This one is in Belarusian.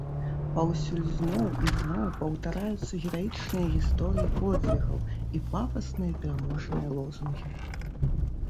Паўсюль зноў і зноў паўтараюцца гераічныя гісторыі подзвігаў і пафасныя пераможныя лозунгі.